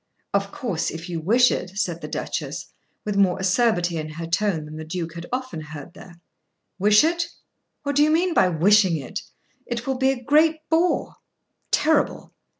"Of course if you wish it," said the Duchess, with more acerbity in her tone than the Duke had often heard there. "Wish it? What do you mean by wishing it? It will be a great bore." "Terrible!"